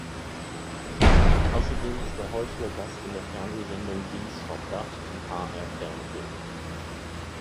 Außerdem ist er häufiger Gast in der Fernsehsendung "Dings vom Dach" im hr-fernsehen.